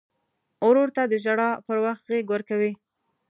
ورور ته د ژړا پر وخت غېږ ورکوي.